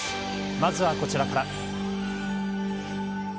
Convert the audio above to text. まずはこちらから。